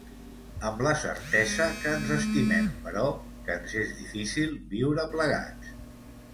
Amb la certesa que ens estimem però que ens és difícil viure plegats.